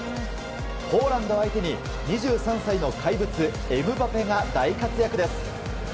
ポーランド相手に２３歳の怪物エムバペが大活躍です。